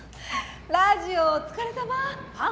ラジオお疲れさま。はあ？